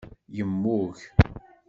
Yemmug.